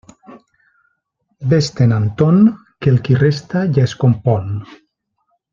Vés-te'n, Anton, que el qui resta ja es compon.